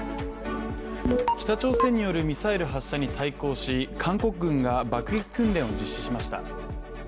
北朝鮮によるミサイル発射に対抗し韓国軍が爆撃訓練を実施しました。